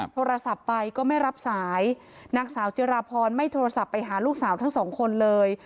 โทรศัพท์ไปก็ไม่รับสายนางสาวจิราพรไม่โทรศัพท์ไปหาลูกสาวทั้งสองคนเลย